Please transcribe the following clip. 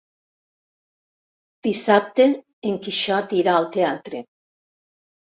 Dissabte en Quixot irà al teatre.